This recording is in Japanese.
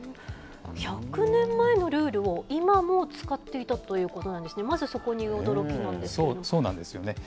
１００年前のルールを今も使っていたということなんですね、そうなんですよね。